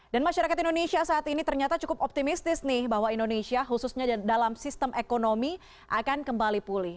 dan masyarakat indonesia saat ini ternyata cukup optimistis nih bahwa indonesia khususnya dalam sistem ekonomi akan kembali pulih